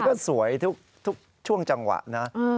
ก็สวยทุกช่วงจังหวะนะ